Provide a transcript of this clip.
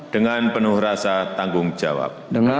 dengan penuh rasa tanggung jawab